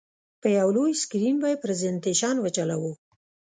په یو لوی سکرین به یې پرزینټېشن وچلوو.